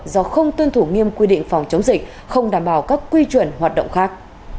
do không tuân thủ nghiêm quy định phòng chống dịch không đảm bảo các quy chuẩn hoạt động khác